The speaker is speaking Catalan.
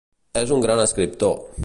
És un gran escriptor.